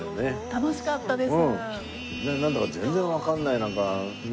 楽しかったです。